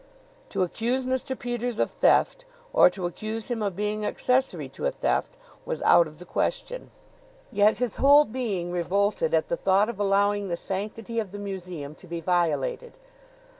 To accuse Mr. Peters of theft or to accuse him of being accessory to a theft was out of the question. Yet his whole being revolted at the thought of allowing the sanctity of the museum to be violated.